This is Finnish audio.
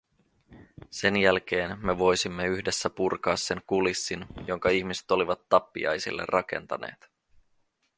Sen jälkeen me voisimme yhdessä purkaa sen kulissin, jonka ihmiset olivat tappiaisille rakentaneet.